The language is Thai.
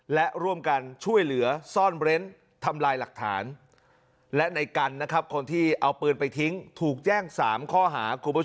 และร่วมกันช่วยเหลือซ่อนเร้นทำลายหลักฐานและในกันนะครับคนที่เอาปืนไปทิ้งถูกแจ้ง๓ข้อหาคุณผู้ชม